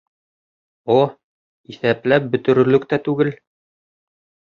О, иҫәпләп бөтөрөрлөк тә түгел.